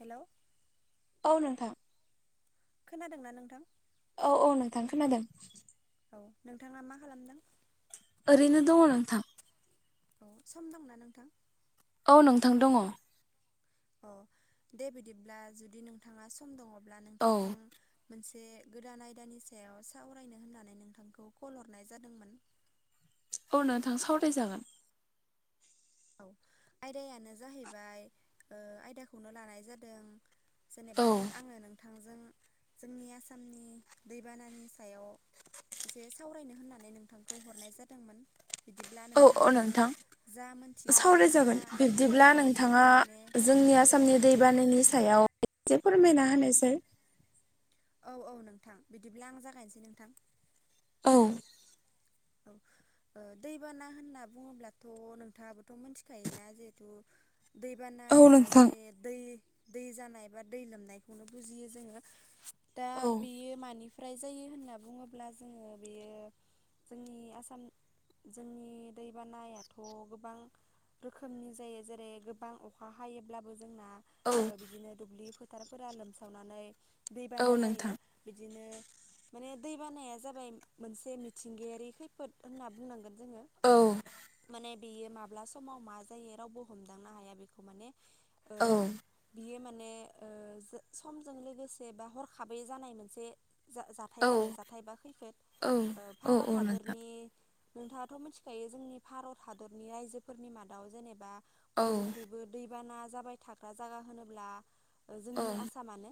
Hello. औ नोंथां। खोनादोंना नोंथां? औ औ नोंथां खोनादों। औ नोंथाङा मा खालामदों? ओरैनो दङ नोंथां। अ सम दंना नोंथां? औ नोंथां दङ। अ दे बिदिब्ला जुदि नोंथाङा सम दङब्ला नोंथांजों मोनसे से गोदान आयदानि सायाव साावरायनो होननानै नोंथांखौ कल हरनाय जादोंमोन। अ नोंथां सावराय जागोन। औ आयदायानो जाहैबाय ओ आयदाखौनो लानाय जादों औ जेनेबा जो आङो नोंथांजों जोंनि आसामनि दैबानानि सायाव जे सावरायनो होननानै नोंथांखौ हरनाय जादोंमोन। बिदिब्ला नोंथाङाबो जा मोन सावराय जागोन बिब्दिब्ला नोंथाङा माने जोंनि औ आसामनि दैबानायनि सायाव एसे फोरमायना होनायसाय औ औ नोंथां बिदिब्ला आं जागायनोसै नोंथां। औ। औ। ओ दैबाना होनना बुङोब्लाथ' नोंथाङाबोथ' मिथिखायोना जिहेथु औ दैबानाया नोंथां जेरै दै दै जानाय बा दै लोमनायखौनो बुजियो जोङो दा औ बियो मानि फ्राय जायो होनना बुङोब्ला जोङो बियो जोंनि आसाम जोंनि दैबानायाथ' गोबां रोखोमनि जायो जेरै गोबां अखा हायोब्लाबो जोंना औ ओ बिदिनो दुब्लि फोथारफोरा लोमसावनानै औ दैबाना नोंथां जायो बिदिनो माने दैबानाया जाबाय मोनसे मि थिंगायारि खैफोद होनना बुंनांगोन जोङो औ माने बियो माब्ला समाव मा जायो रावबो हमदांनो हाया बिखौ माने ओ औ बियो माने ने ओ जो समजों लोगोसे बा हरखाबै जानाय मोनसे जा औ जाथाय आरो जाथायबा खैफोद औ ओ औ भारत औ नोंथां हादोरनि नोंथाङाथ' मिथिखायो जोंनि भारत हादरनि रायजोफोरनि मादाव जेनेबा औ बयनिख्रुइबो दैबाना जाबाय थाग्रा जागा होनोब्ला ओ औ जोंनि आसामानो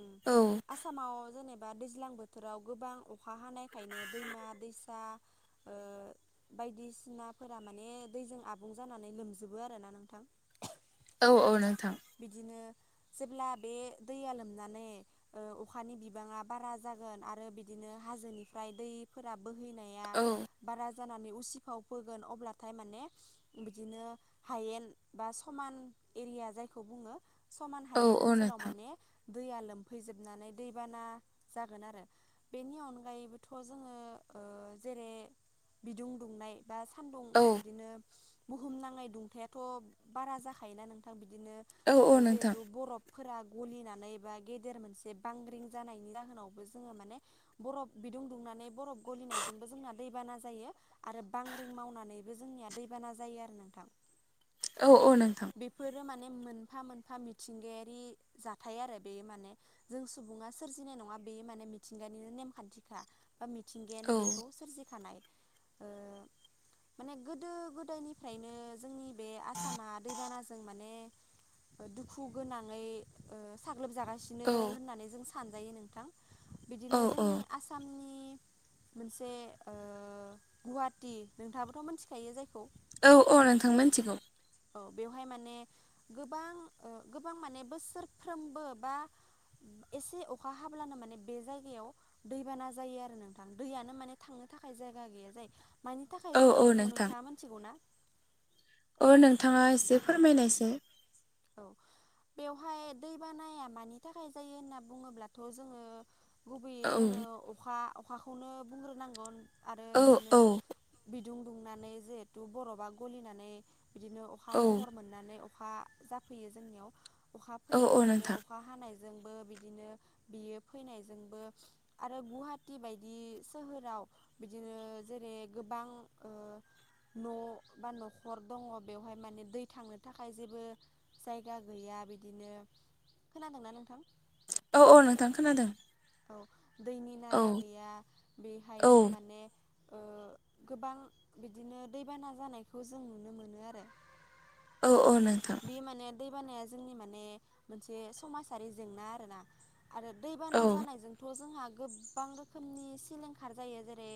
उम औ आसामाव जेनेबा बा दैज्लां बोथोराव गोबां अखा हानाय खायनो दैमा दैसा ओ बायदिसिनाफोरा माने दैजों आबुं जानानै लोमजोबो आरो ना नोंथां। औ औ। नोंथां बिदिनो जेब्ला बे दैया लोमनानै ओ अखानि बिबाङा बारा जागोन आरो बिदिनो नो हाजोनिफ्राय दैफोरा बोहैनाया औ बारा जा जानानै उसिफाव फोगोन अब्लाथाय माने बिदिनो हायेन बा समान एरिया जायखौ बुङो समान औ हायेन औ ओनसोलाव नोंथां माने दैया लोमफैजोबनानै दैबाना जागोन आरो बेनि अनगायैबोथ' जोङो ओ जेरै बिदुं दुंनाय बा सान्दुं औ बिदिनो बुहुम नाङै दुंथाइयाथ' बारा जाखायोना नोंथां बिदिनो औ औ ओ नोंथां जिहेतु बरफ फोरा गलिनानै बा गेदेर मोनसे बांग्रिं जानायनि जाहोनावबो जोङो माने बरफ दुं दुंनानै बरफ गलिनायजोंबो जोंना दै दैबाना जायो आरो बांग्रिं मावनानैबो जोंनिया दैबाना जायो आरो नोंथां औ माने नोंथां बेफोरो माने मोन मोनफा मोनफा मिथिंगायारि जाथाय आरो बे माने जों सुबुङा सोरजिनाय नङा बे माने मिथिंगानिनो नेमखान्थिखा बा मिथिंगायानो औ बेखौ सोरजिखानाय ओ माने गोदो गोदायनिफ्रायनो जोंनि बे आसामा दैबानाजों माने दुखु गोनाङै ओ साग्लोबजागासिनो औ होननानै जों सानजायो नोंथां औ बिदिनो औ जोंनि आसामनि मोनसे ओ गुवाहाटी नोंथाङाबोथ' मोनथिखायो जायखौ औ औ नोंथां मिथिगौ। औ बेवहाय माने गोबां ओ गोबां माने बोसोरफ्रोमबो बा एसे अखा हाब्लानो माने बे जायगायाव दैबाना जायो आरो नोंथां दैयानो माने थांनो थाखाय जायगा गैया जायो मानि थाखाय औ जायो औ बेखौ नोंथाङा मोनथिगौ ना ओ नोंथाङा एसे फोरमायनायसाय औ बेवहाय दै बानाया मानि थाखाय जायो होनना बुङोब्लाथ' जोङो गुबैयै औ जोङो अखा अखाखौनो बुंग्रोनांगौ आरो औ बिदिनो औ दुं दुंनानै जिहेथु बरफा गलिनानै बिदिनो अखा औ महर मोननानै अखा जा फैयो जोंनियाव अखा औ फैयो औ बिदिनो नोंथां अखा हानाय जोंबो बिदिनो बियो फैनायजोंबो आरो गुवाहाटी बायदि सोहोराव बिदिनो जेरै गोबां ओ न' बा नख'र दङ बेवहाय माने दै थांनो थाखाय जेबो जायगा गैया बिदिनो खोनादोंना नोंथां औ औ नोंथां खोनादों। औ दैनि औ नाला गैया औ बेहायनो माने ओ गोबां बिदिनो दैबाना जानायखौ जों नुनो मोनो आरो औ औ नों बे माने दैबानाया जोंनि माने मोनसे समाजारि जेंना आरो ना आरो दैबाना औ जानायजोंथ' जोंहा गोबां रोखोमनि सिलिंखार जायो जेरै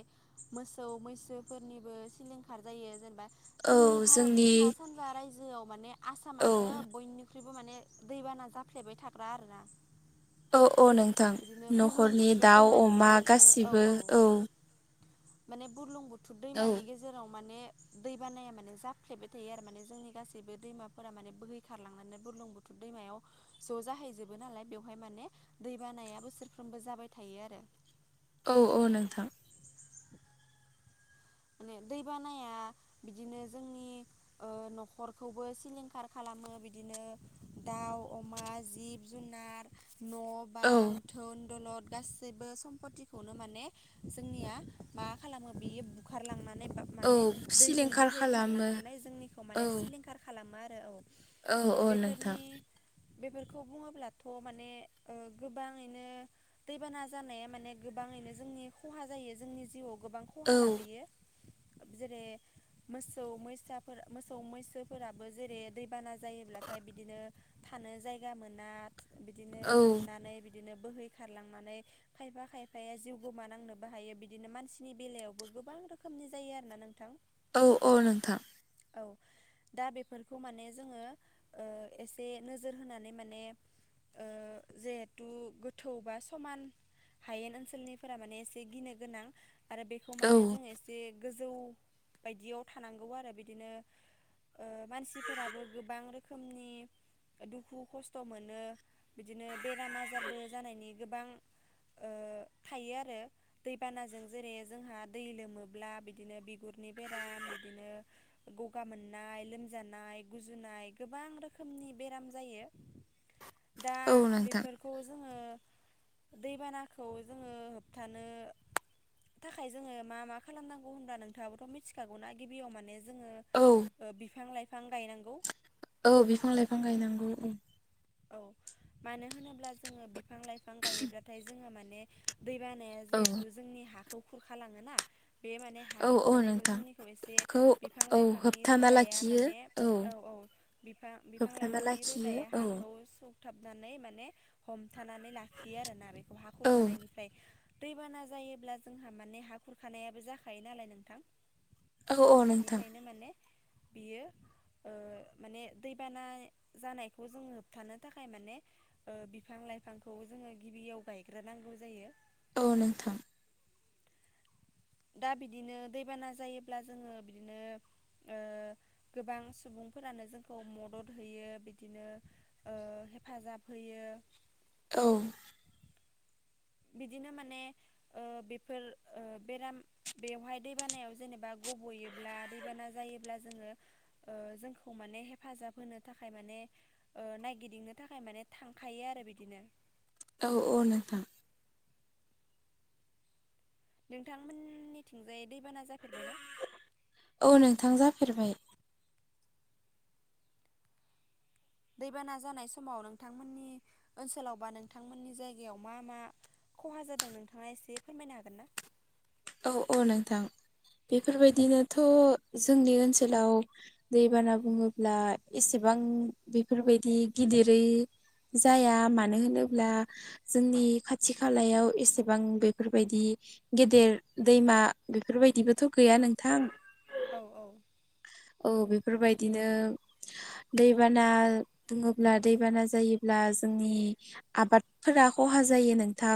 मोसौ मैसोफोरनिबो सिलिंखार जेनबा जोंनि भारतनि सा सानजा रायजोआव माने औ आसामानो बनिख्रुइ ख्रुइबो माने दैबाना जाफ्लेबाय थाग्रा आरो ना औ औ नोंथां बुरलुं नख'रनि बुथुर दाउ अमा दैमानिफ्रायबो औ गासिबो औ। माने बुरलुंबुथुर औ दैमानि गेजेराव माने दै बानाया मानो जाफ्लेबाय थायो आरो माने जोंनि गासैबो दैमा फोरा माने बोहै खारलांनानै बुरलुं बुथुर दैमायाव ज' जाहैजोबो नालाय बेवहाय माने दैबान नाया बोसोरफ्रोमबो जाबाय थायो आरो औ औ नोंथां। माने दैबानाया बिदिनो जोंनि ओ न'खरखौबो सिलिंखार खाला खामो बिदिनो दाउ अमा जिब जुनार न' औ बां थोन दलद गासैबो सम्पतिखौनो माने जोंनिया मा खालामो बियो बुखारलांना माने बा औ माने दैजों सिलिंखार खालामो बोहैखारलांनानै जोंनिखौ औ माने सिलिंखार खालामा औ औ नोंथां। बेफोरखौ बुङोब्लाथ' माने ओ गोबाङैनो दैबाना जानाया माने गोबां ङैनो जोंनि खहा जायो। जोंनि जिउआव गोबां खहा औ लाबोयो। जेरै मोसौ मैसाफोर मोसौ मैसोफोराबो जेरै दैबाना जायोब्लाथाय बिदिनो थानो जायगा मोना बिदिनो औ लोमनानै बिदिनो बोहै खारलांनानै खायफा खायफाया जिउ गोमानांनोबो हायो बिदिनो मानसिनि बेलायावबो गोबां रो खोमनि जायो आरो ना नोंथां। औ औ नोंथां। औ। दा बेफोरखौ माने जोङो ओ एसे नोजोर होनानै माने ओ जेहेथु गोथौ बा समान हायेन ओनसोलनिफोरा माने एसे गिनो गोनां। आरो बेखौ औ माने जों एसे गोजौ बायदियाव थानांगौ आरो बिदिनो ओ मानसिफोराबो गोबां रोखोमनि दुखु खस्थ' मोनो बिदिनो बेराम आजारबो जानायनि गोबां ओ थायो आरो दैबानाजों जेरै जोंहा दै लोमो ब्ला बिदिनो बिगुरनि बेराम बिदिनो गगा मोननाय, लोमजानाय, गुजुना नाय गोबां रोखोमनि बेराम जायो। दा औ नोंथां बेफोरखौ जोङो दैबानाखौ जोङो होबथानो थाखाय जोङो मा मा खालामनांगौ होनब्ला नोंथाङाबोथ' मिथिखागौ ना गिबियाव माने जोङो औ ओ बिफां लाइ फां गायनांगौ। औ बिफां लाइफां गायनांगौ ओंम। औ मानो होनोब्ला जोङो बिफां लाइफां गायोब्लाथाय जोङो माने दैबानाया जिहेथु औ जोंनि हाखौ खुरखालाङो ना बे माने हा औ औ खुरखानायखौ नोंथां जोंनिखौ एसे खौ बिफां औ लाइफांनि होबथाना रोदाया लाखियो माने औ औ बिफा बिफां होबथाना लाइफांनि लाखियो रोदाया औ हाखौ सु थाबनानै माने हमथानानै लाखियो आरो ना बेखौ हा औ खुरखानायनिफ्राय दैबाना जायोब्ला जोंहा माने हा खुरखानायाबो जाखायो नालाय नोंथां। औ औ नोंथां बेनिखायनो माने बियो ओ माने दैबाना जानायखौ जों होबथानो थाखाय माने ओ बिफां लाइफांखौ जोङो गिबियाव गायग्रोनांगौ जायो। औ नोंथां। दा बिदिनो दैबाना जायोब्ला जोङो बिदिनो ओ गोबां सुबुंफोरानो जोंखौ मदद होयो बिदिनो ओ हेफाजाब होयो। औ। बिदिनो माने ओ बेफोर ओ बेराम बेवहाय दै बानायाव जेनेबा गब'योब्ला दैबाना जायोब्ला जोङो ओ जोंखौ माने हेफाजाब होनो थाखाय माने ओ नायगिदिंनो थाखाय माने थांखायो आरो बिदिनो। औ औ नोंथां। नोंथांमोननिथिंजाय दैबाना जाफेरबायना औ नोंथां जाफेरबाय। दैबाना जानाय समाव नोंथांमोननि ओनसोलाव बा नोंथांमोननि जायगायाव मा मा खहा जादों नोंथाङा एसे फोरमायनो हागोन ना? औ औ नोंथां। बेफोरबायदिनोथ' जोंनि ओनसोलाव दैबाना बुङोब्ला एसे बां बेफोरबायदि गिदिरै जाया। मानो होनोब्ला जोंनि खाथि खालायाव एसेबां बेफोरबायदि गेदेर दैमा बेफोरबायदिबोथ' गैया नोंथां। औ औ औ बेफोरबायदिनो दैबाना दुङोब्ला दैबाना जायोब्ला जोंनि आबादफोरा खहा जायो नोंथा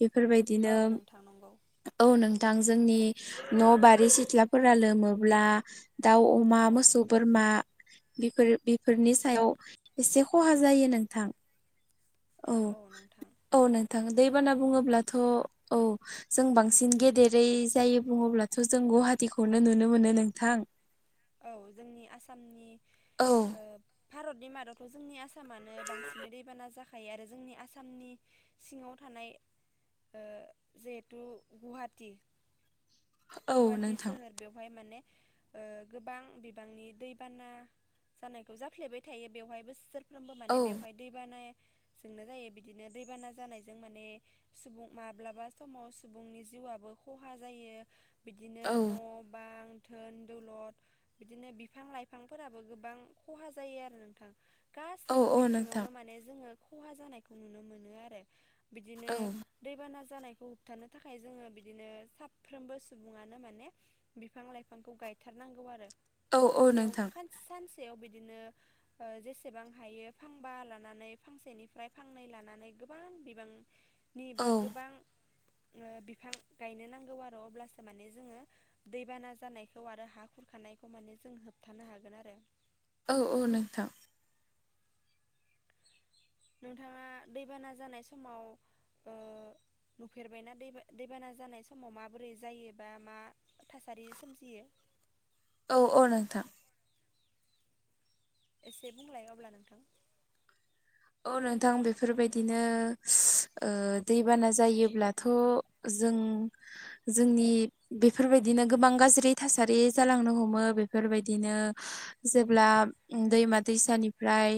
बेफोरबायदिनो औ नोंथां नंगौ औ नों थां जोंनि न' बारि सिथ्लाफोरा लोमोब्ला दाउ, अमा, औ मोसौ, बोरमा बेफोर बेफोरनि सायाव एसे खहा जायो नोंथां औ औ नोंथां दैबाना बुङोब्लाथ' औ जों बांसिन गेदेर जेरै जायो बुङोब्लाथ' जों गुवाहाटिखौनो नुनो मोनो नोंथां। औ जोंनि आसामनि औ भारतनि मादावथ' जोंनि आसाम आसामानो बांसिनै दैबाना जाखायो आरो जोंनि आसामनि सिङाव थानाय जिहेथु गुवाहाटि औ गुवाहाटि नोंथां सोहोर बेवहाय माने ओ गोबां बिबांनि दैबाना जानायखौ जाफ्लेबाय थायो बेवहाय बोसोर [unintelligible] माने औ बेवहाय दै बानाया जोंनो जायो बिदिनो दैबाना जानायजों माने सुबुं माब्लाबा समाव सुबुंनि जिउ औबो खहा जायो बिदिनो औ न' बां धोन दौलधद बिदिनो बिफां लाइफांफोराबो गोबां खहा जायो आरो नोंथां औ गासैबो औ नोंथां बिथिङावनो माने जोङो खहा जानायखौ नुनो मोनो आरो बिदिनो औ दैबाना जानाय खौ होबथनो थाखाय जोङो बिदिनो साफ्रोमबो सुबुनो माने बिफां लाइफांखौ गायथारनांगौ औ औ फांसेयाव नोंथां सानसे याव बिदिनो जेसेबां हायो फांबा लानानै फांसेनिफ्राय फांनै लानानै गोबां बिबांनि औ बा गोबां बिफां गायनो नांगौ आरो अब्लासो माने जोङो दैबाना जानायखौ आरो हा खुरखानायखौ माने जों होबथानो हागोन आरो औ औ नोंथां। नोंथाङा दैबाना जानाय समाव ओ नुफेरबायना दैबाना जानाय समाव माबोरै जायो बा मा थासारि सोमजियो? औ औ नोंथां। एसे बुंलाया अब्ला नोंथां? औ नोंथां बेफोरबायदिनो ओ दैबाना जायोब्लाथ' जों उम जोंनि बेफोरबायदिनो गोबां गाज्रि थासारि जालांनो हमो बेफोर बाय यदिनो जेब्ला दैमा दैसानिफ्राय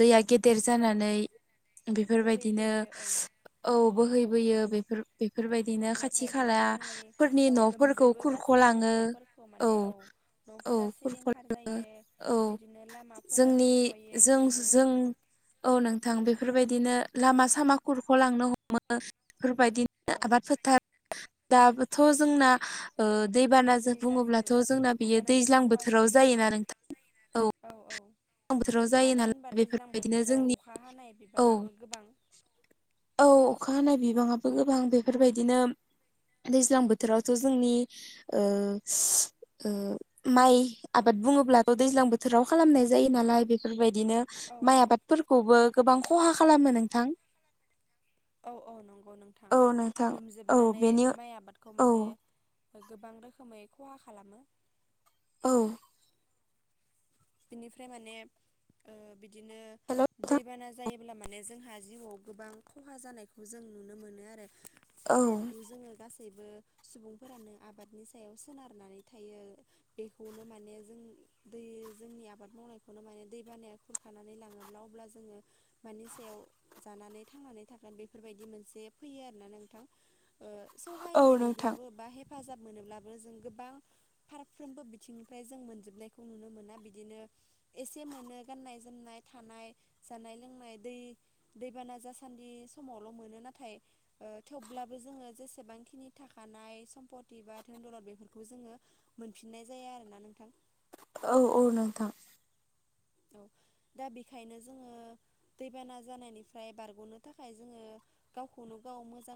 दैया गेदेर जानानै बेफोरबायदिनो बोहैबोयो औ औ बोहैबोयो बेफोर बेफोरबायदिनो खाथि अब्लाथाय माने खाला जोंनि फोरनि औ न'फोरखौ लोमजोबो गासैबो खुरख'लाङो न'फोरखौ औ माने औ न'फोरा खुरख सिलिंखार लाङो जायो औ बिदिनो लामाफोरा जोंनि खुरख'यो जों बिदिनो जों औ नोंथां बेफोरबायदिनो लामा सामा खुरख'लांनो हमो। बेफोरबायदिनो औ आबाद फोथार दाबोथ' जोंना ओ दैबानाजों गाज्रि जाजोबो बुङोब्लाथ' गासैबो जोंना बियो दैबानाजों दैज्लां खहा बोथोराव जाजोबो जायोना नोंथां औ दैज्लां बोथोराव जायो मानो होनबा नालाय दैज्लां बेफोरबायदिनो बोथोराव जोंनि अखा हानाय औ बिबाङाबो गोबां [inaudible] औ अखा हानाय बिबाङाबो गोबां बेफोरबायदिनो दैज्लां बोथोरावथ' जोंनि माइ आबाद बुङोब्लाथ' दैज्लां बोथोराव खालामनाय जायो नालाय बेफोरबायदिनो औ माइ औ आबादफोरखौबो गोबां खहा खालामो नोंथां औ औ नंगौ नोंथां औ नोंथां औ लोमजोबनानै बेनि माइ आबादखौ औ माने गोबां रोखोमै खहा खालामो औ। बिनिफ्राय माने बिदिनो हेल' नोंथां दैबाना जायो। अब्ला माने जोंहा जिउआव गोबां खहा जानायखौ जों नुनो मोनो आरो। औ जिहेतु' जोङो गासैबो गासैबो सुबुंफोरानो आबादनि सायाव सोनारनानै थायो बेखौनो माने जों दै जोंनि आबाद मावनायखौनो माने दैबानाया खुरखानानै लाङोब्ला अब्ला जोङो मानि सायाव जा नानै थांनानै थागोन बेफोरबायदि मोनसे फैयो आरोना नोंथां। ओ सहाय औ नोंथां मोनोब्लाबो बा हेफ हेफाजाब मोनोब्लाबो जों गोबां फारफ्रोमबो बिथिंनिफ्राय जों मोनजोबनायखौ नुनो मोना बि इसे मोनो गाननाय जोमनाय थानाय जानाय लोंनाय दै दैबाना जासान्दि समावल' मोनो नाथाय ओ थेवब्लाबो जोङो जेसेबांखिनि थाखानाय सम्पति बा धोन दौलद बेफोरखौ जोङो मोनफिननाय जाया आरो ना नोंथां। औ औ नोंथां। दा बेखायनो जोङो दैबाना जानायनिफ्राय बारग'नो थाखाय जोङो गावखौनो गाव मोजां